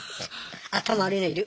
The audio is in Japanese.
頭悪いのいる。